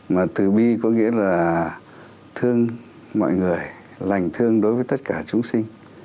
mà tử bi có nghĩa là thương mọi người lành thương đối với tất cả chúng sinh